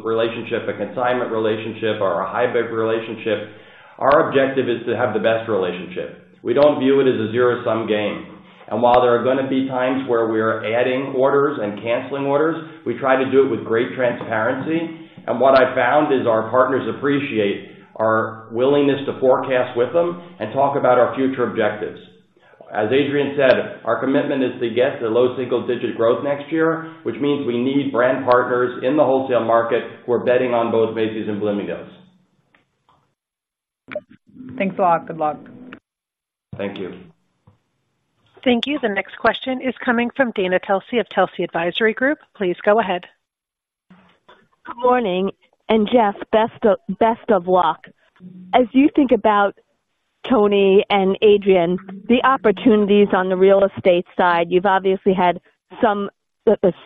relationship, a consignment relationship or a hybrid relationship. Our objective is to have the best relationship. We don't view it as a zero-sum game. And while there are gonna be times where we are adding orders and canceling orders, we try to do it with great transparency. And what I found is our partners appreciate our willingness to forecast with them and talk about our future objectives. As Adrian said, our commitment is to get to low single digit growth next year, which means we need brand partners in the wholesale market who are betting on both Macy's and Bloomingdale's. Thanks a lot. Good luck. Thank you. Thank you. The next question is coming from Dana Telsey of Telsey Advisory Group. Please go ahead. Good morning, and Jeff, best of, best of luck. As you think about Tony and Adrian, the opportunities on the real estate side, you've obviously had some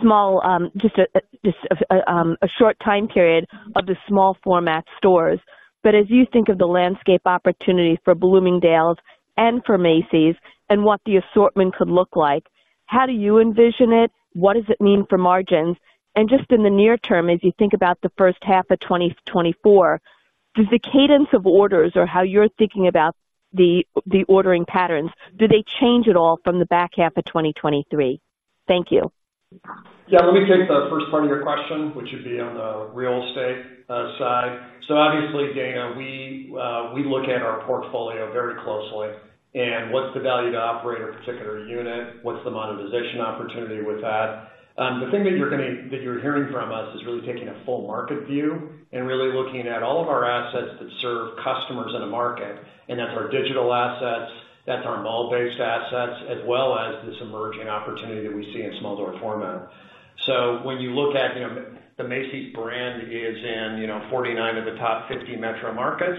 small just a short time period of the small format stores. But as you think of the landscape opportunity for Bloomingdale's and for Macy's and what the assortment could look like, how do you envision it? What does it mean for margins? And just in the near term, as you think about the first half of 2024, does the cadence of orders or how you're thinking about the ordering patterns, do they change at all from the back half of 2023? Thank you. Yeah, let me take the first part of your question, which would be on the real estate side. So obviously, Dana, we look at our portfolio very closely and what's the value to operate a particular unit, what's the monetization opportunity with that. The thing that you're hearing from us is really taking a full market view and really looking at all of our assets that serve customers in a market, and that's our digital assets, that's our mall-based assets, as well as this emerging opportunity that we see in small-format. So when you look at, you know, the Macy's brand is in, you know, 49 of the top 50 metro markets.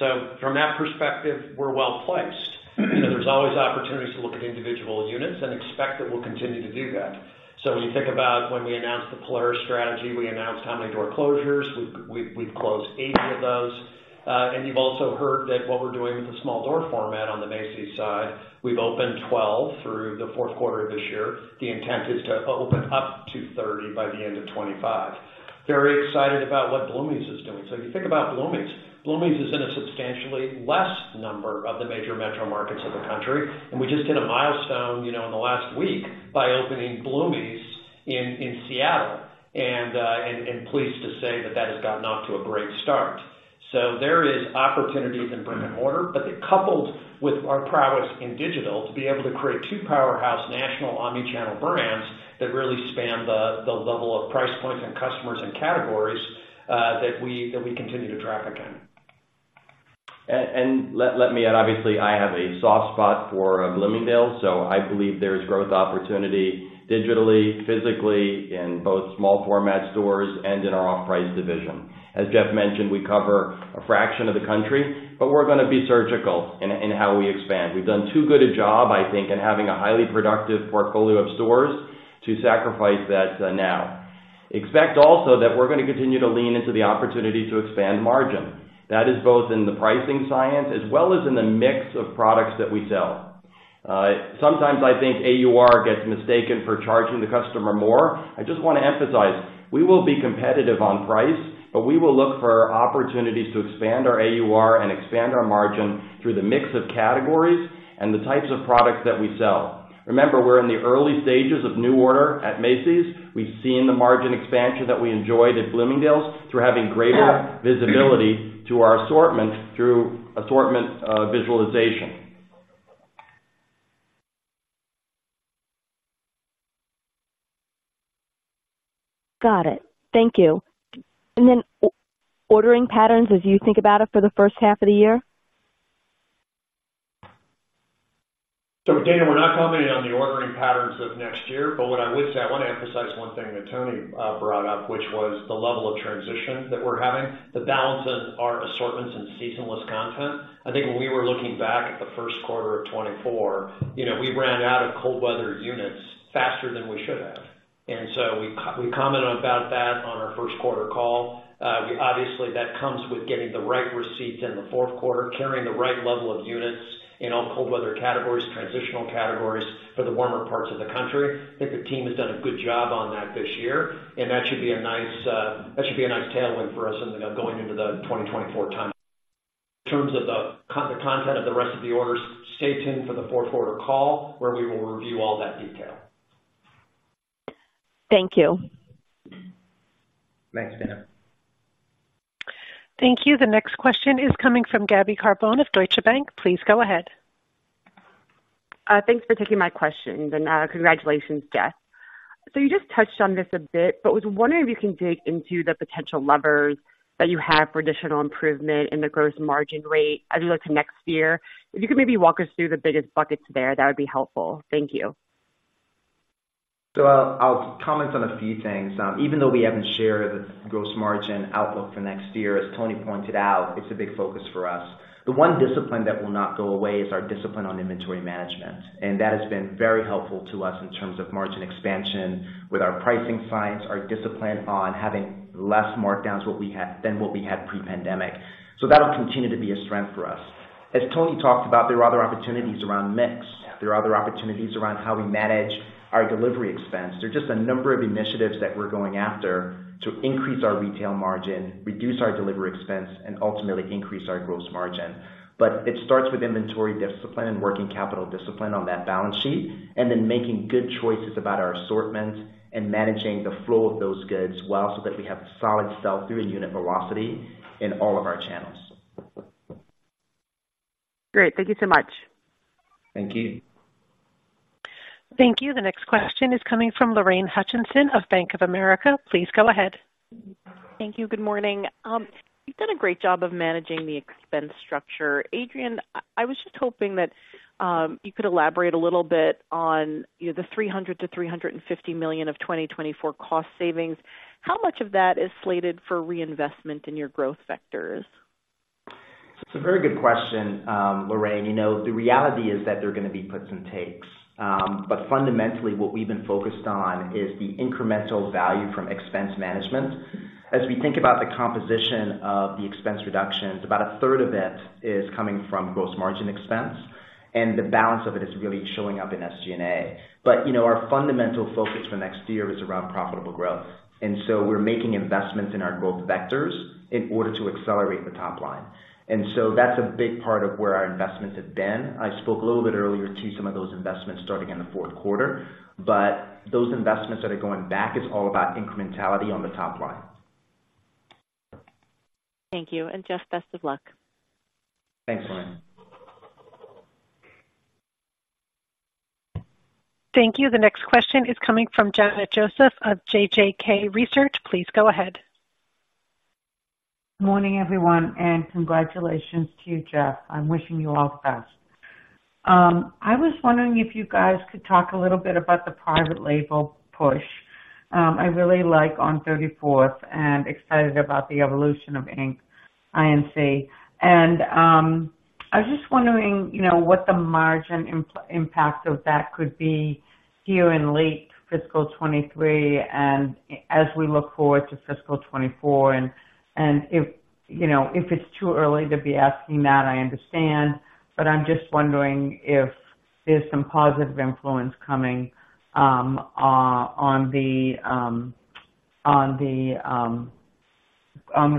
So from that perspective, we're well-placed. There's always opportunities to look at individual units and expect that we'll continue to do that. So when you think about when we announced the Polaris strategy, we announced how many door closures. We've closed 80 of those. And you've also heard that what we're doing with the small-format on the Macy's side, we've opened 12 through the fourth quarter of this year. The intent is to open up to 30 by the end of 2025.... Very excited about what Bloomingdale's is doing. So if you think about Bloomingdale's, Bloomingdale's is in a substantially less number of the major metro markets of the country, and we just hit a milestone, you know, in the last week by opening Bloomingdale's in Seattle, and pleased to say that that has gotten off to a great start. So there is opportunity in brick-and-mortar, but it coupled with our prowess in digital, to be able to create two powerhouse national omni-channel brands that really span the level of price points and customers and categories, that we continue to traffic in. Let me add, obviously, I have a soft spot for Bloomingdale's, so I believe there's growth opportunity digitally, physically, in both small format stores and in our off-price division. As Jeff mentioned, we cover a fraction of the country, but we're gonna be surgical in how we expand. We've done too good a job, I think, in having a highly productive portfolio of stores to sacrifice that now. Expect also that we're gonna continue to lean into the opportunity to expand margin. That is both in the pricing science as well as in the mix of products that we sell. Sometimes I think AUR gets mistaken for charging the customer more. I just want to emphasize, we will be competitive on price, but we will look for opportunities to expand our AUR and expand our margin through the mix of categories and the types of products that we sell. Remember, we're in the early stages of New Order at Macy's. We've seen the margin expansion that we enjoyed at Bloomingdale's through having greater visibility to our assortment through assortment visualization. Got it. Thank you. And then ordering patterns, as you think about it for the first half of the year? So Dana, we're not commenting on the ordering patterns of next year, but what I would say, I wanna emphasize one thing that Tony brought up, which was the level of transition that we're having, the balance of our assortments and seasonless content. I think when we were looking back at the first quarter of 2024, you know, we ran out of cold weather units faster than we should have. And so we commented about that on our first quarter call. Obviously, that comes with getting the right receipts in the fourth quarter, carrying the right level of units in all cold weather categories, transitional categories for the warmer parts of the country. I think the team has done a good job on that this year, and that should be a nice, that should be a nice tailwind for us in the... Going into the 2024 time. In terms of the content of the rest of the orders, stay tuned for the fourth quarter call, where we will review all that detail. Thank you. Thanks, Dana. Thank you. The next question is coming from Gabby Carbone of Deutsche Bank. Please go ahead. Thanks for taking my questions, and, congratulations, Jeff. So you just touched on this a bit, but I was wondering if you can dig into the potential levers that you have for additional improvement in the gross margin rate as you look to next year. If you could maybe walk us through the biggest buckets there, that would be helpful. Thank you. So I'll, I'll comment on a few things. Even though we haven't shared the gross margin outlook for next year, as Tony pointed out, it's a big focus for us. The one discipline that will not go away is our discipline on inventory management, and that has been very helpful to us in terms of margin expansion with our pricing science, our discipline on having less markdowns than what we had pre-pandemic. So that'll continue to be a strength for us. As Tony talked about, there are other opportunities around mix. There are other opportunities around how we manage our delivery expense. There are just a number of initiatives that we're going after to increase our retail margin, reduce our delivery expense, and ultimately increase our gross margin. It starts with inventory discipline and working capital discipline on that balance sheet, and then making good choices about our assortment and managing the flow of those goods well, so that we have solid sell-through and unit velocity in all of our channels. Great. Thank you so much. Thank you. Thank you. The next question is coming from Lorraine Hutchinson of Bank of America. Please go ahead. Thank you. Good morning. You've done a great job of managing the expense structure. Adrian, I was just hoping that you could elaborate a little bit on, you know, the $300 million-$350 million of 2024 cost savings. How much of that is slated for reinvestment in your growth vectors? It's a very good question, Lorraine. You know, the reality is that there are gonna be puts and takes. But fundamentally, what we've been focused on is the incremental value from expense management. As we think about the composition of the expense reductions, about a third of it is coming from gross margin expense, and the balance of it is really showing up in SG&A. But, you know, our fundamental focus for next year is around profitable growth, and so we're making investments in our growth vectors in order to accelerate the top line. And so that's a big part of where our investments have been. I spoke a little bit earlier to some of those investments starting in the fourth quarter, but those investments that are going back is all about incrementality on the top line. Thank you, and Jeff, best of luck. Thanks, Lorraine. Thank you. The next question is coming from Janet Joseph of JJK Research. Please go ahead. Morning, everyone, and congratulations to you, Jeff. I'm wishing you all the best. I was wondering if you guys could talk a little bit about the private label push. I really like On 34th and excited about the evolution of INC. And, I was just wondering, you know, what the margin impact of that could be here in late fiscal 2023 and as we look forward to fiscal 2024, and, if, you know, if it's too early to be asking that, I understand, but I'm just wondering if there's some positive influence coming on the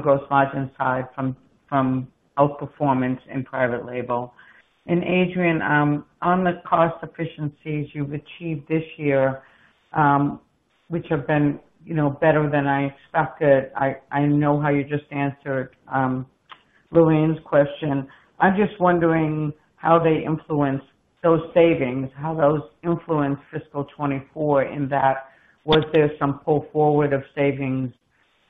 gross margin side from outperformance in private label. And Adrian, on the cost efficiencies you've achieved this year, which have been, you know, better than I expected, I know how you just answered Lorraine's question. I'm just wondering how they influence those savings, how those influence fiscal 2024, in that, was there some pull forward of savings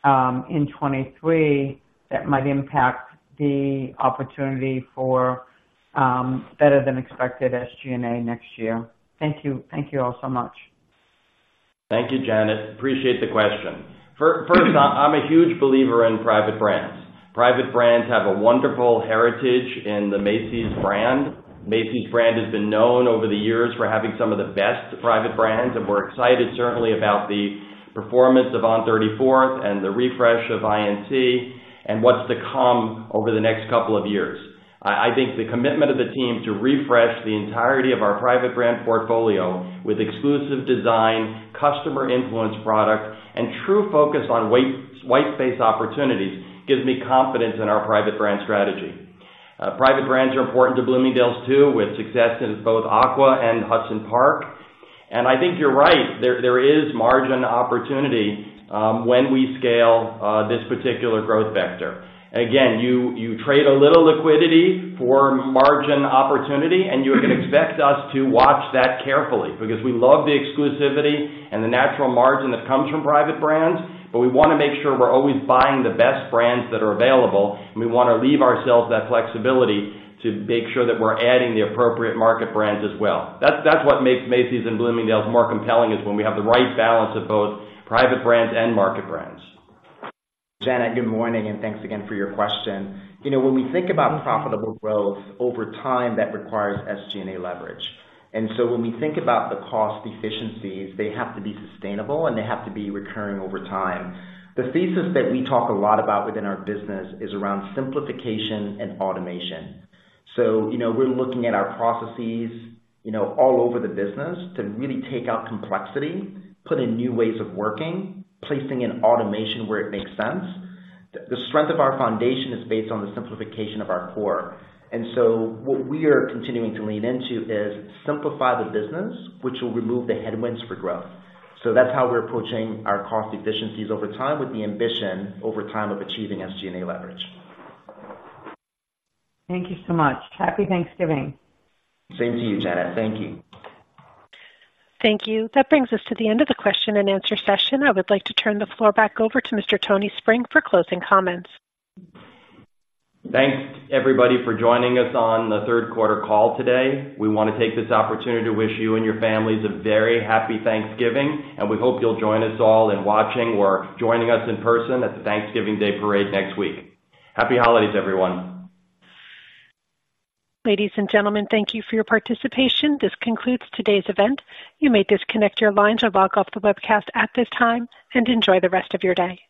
in 2023 that might impact the opportunity for better than expected SG&A next year? Thank you. Thank you all so much. Thank you, Janet. Appreciate the question. First, I'm a huge believer in private brands. Private brands have a wonderful heritage in the Macy's brand. Macy's brand has been known over the years for having some of the best private brands, and we're excited certainly about the performance of On 34th and the refresh of INC, and what's to come over the next couple of years. I think the commitment of the team to refresh the entirety of our private brand portfolio with exclusive design, customer influence product, and true focus on white space opportunities, gives me confidence in our private brand strategy. Private brands are important to Bloomingdale's, too, with success in both Aqua and Hudson Park. And I think you're right, there is margin opportunity, when we scale this particular growth vector. Again, you trade a little liquidity for margin opportunity, and you can expect us to watch that carefully, because we love the exclusivity and the natural margin that comes from private brands, but we wanna make sure we're always buying the best brands that are available, and we wanna leave ourselves that flexibility to make sure that we're adding the appropriate market brands as well. That's what makes Macy's and Bloomingdale's more compelling, is when we have the right balance of both private brands and market brands. Janet, good morning, and thanks again for your question. You know, when we think about profitable growth over time, that requires SG&A leverage. And so when we think about the cost efficiencies, they have to be sustainable, and they have to be recurring over time. The thesis that we talk a lot about within our business is around simplification and automation. So, you know, we're looking at our processes, you know, all over the business to really take out complexity, put in new ways of working, placing in automation where it makes sense. The strength of our foundation is based on the simplification of our core. And so what we are continuing to lean into is simplify the business, which will remove the headwinds for growth. So that's how we're approaching our cost efficiencies over time, with the ambition over time of achieving SG&A leverage. Thank you so much. Happy Thanksgiving. Same to you, Janet. Thank you. Thank you. That brings us to the end of the question and answer session. I would like to turn the floor back over to Mr. Tony Spring for closing comments. Thanks, everybody, for joining us on the third quarter call today. We wanna take this opportunity to wish you and your families a very Happy Thanksgiving, and we hope you'll join us all in watching or joining us in person at the Thanksgiving Day parade next week. Happy holidays, everyone! Ladies and gentlemen, thank you for your participation. This concludes today's event. You may disconnect your lines or log off the webcast at this time, and enjoy the rest of your day.